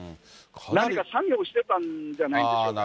なんか作業してたんじゃないでしょうかね。